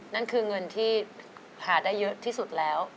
นั่นคือเงินที่หาได้เยอะที่สุดแล้ว